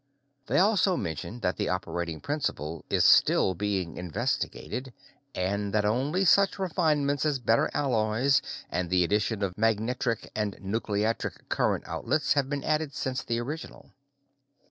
They also mention that the operating principle is still being investigated, and that only such refinements as better alloys and the addition of magnetric and nucleatric current outlets have been added since the original.